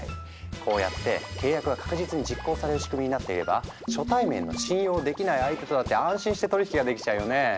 こうやって契約が確実に実行される仕組みになっていれば初対面の信用できない相手とだって安心して取引ができちゃうよね？